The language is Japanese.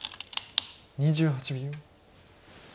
２８秒。